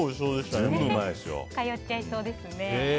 通っちゃいそうですね。